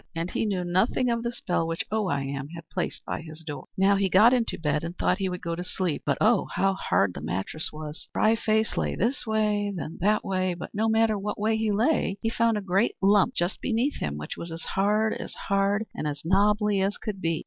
And he knew nothing of the spell which Oh I Am had placed by his door. The Lumpy Mattress Now he got into bed, and thought he would go to sleep; but, oh, how hard the mattress was! Wry Face lay this way, then that, but no matter what way he lay, he found a great lump just beneath him which was as hard as hard, and as nobbly as could be.